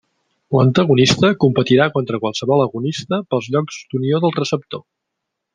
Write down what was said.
L'antagonista competirà contra qualsevol agonista pels llocs d'unió del receptor.